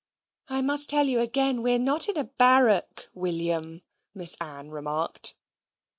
"I must tell you again we're not in a barrack, William," Miss Ann remarked.